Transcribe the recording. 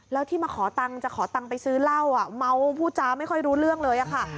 แล้วที่มาขอตังค์จะขอตังค์ไปซื้อเหล้าอ่ะเมาพูดจาไม่ค่อยรู้เรื่องเลยค่ะ